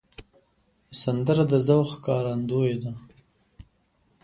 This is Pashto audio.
سندره د ذوق ښکارندوی ده